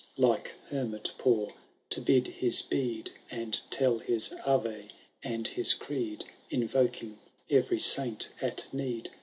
Like hermit poor to bid his bead. And tell his Aye and bis Creed, Inyoking every saint at need.